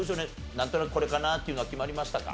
なんとなくこれかなっていうのは決まりましたか？